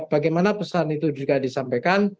bagaimana pesan itu juga disampaikan